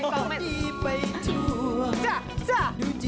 ดูพี่ไปทั่วดูจิตใจวิวไปเต็มรู